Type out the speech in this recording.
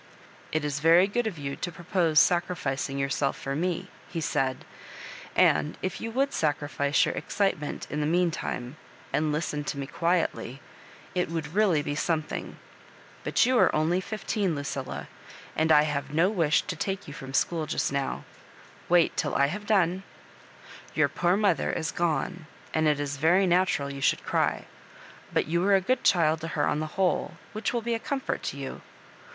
" It is very good of you to propose sacrificing yourself for me," he said; ''and if you would sacrifice your excitement in the mean time, and listen to me quietly, it would really be some thing — ^but you are only fifteen, Lucilla, and I have no wish to take you fV*om school just now ; wait till I have done. Your poor mother is gone, and it is very natui^ you should cry ; but you were a good child to her on the whole, which will be a comfort to you.